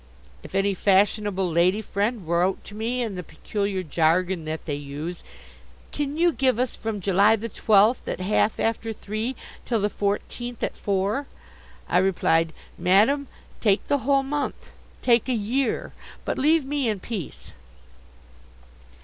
If any fashionable lady friend wrote to me in the peculiar jargon that they use: "Can you give us from July the twelfth at half after three till the fourteenth at four?" I replied: "Madam, take the whole month, take a year, but leave me in peace."